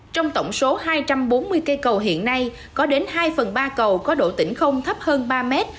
trong tổng số hai trăm bốn mươi cây cầu hiện nay có đến hai phần ba cầu có độ tỉnh không thấp hơn ba mét